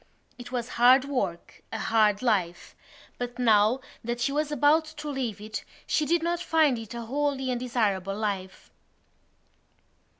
It was hard work—a hard life—but now that she was about to leave it she did not find it a wholly undesirable life.